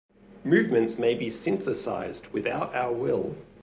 Movements may be synthesized without our will.